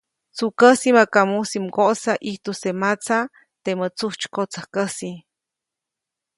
‒Tsukäsi maka mujsi mgoʼsa ʼijtuse matsa, temä tsujtsykotsäjkäsi-.